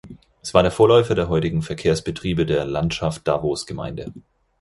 Es war der Vorläufer der heutigen Verkehrsbetriebe der Landschaft Davos Gemeinde.